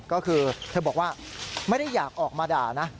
ก็คือเธอบอกว่าไม่ได้อยากออกมาด่านะ